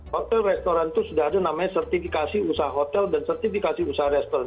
hotel restoran itu sudah ada namanya sertifikasi usaha hotel dan sertifikasi usaha restoran